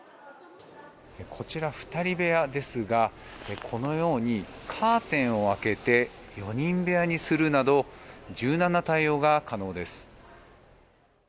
こちら、２人部屋ですがこのようにカーテンを開けて４人部屋にするなど柔軟な対応が可能です。